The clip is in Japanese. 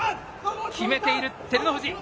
決めている照ノ富士。